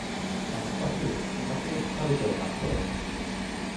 懐かしい、昔よく食べたよなこれ